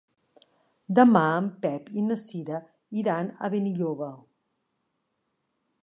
Demà en Pep i na Cira iran a Benilloba.